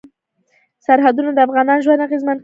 سرحدونه د افغانانو ژوند اغېزمن کوي.